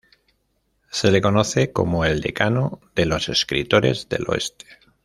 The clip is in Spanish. Se le conoce como "el decano de los escritores del Oeste".